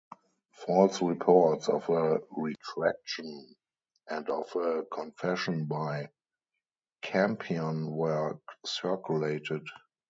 False reports of a retraction and of a confession by Campion were circulated.